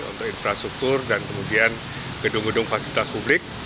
untuk infrastruktur dan kemudian gedung gedung fasilitas publik